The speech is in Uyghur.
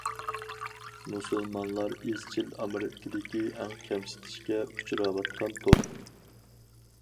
مۇسۇلمانلار ئىزچىل ئامېرىكىدىكى ئەڭ كەمسىتىشكە ئۇچراۋاتقان توپ.